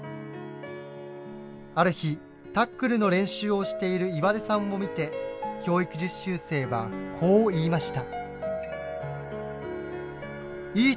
ある日タックルの練習をしている岩出さんを見て教育実習生はこう言いました。